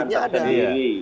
pekerjaan tak sendiri